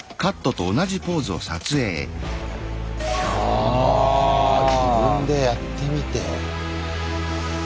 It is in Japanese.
あ自分でやってみて。